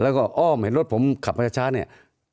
แล้วก็อ้อมเห็นรถผมขับมาช้าเนี่ย